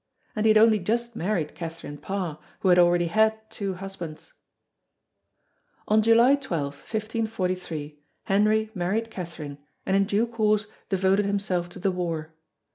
And he had only just married Catherine Parr, who had already had two husbands. On July 12, 1543, Henry married Catherine and in due course devoted himself to the war.